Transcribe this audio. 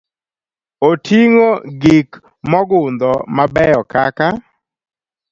Oting'o gik mogundho mabeyo kaka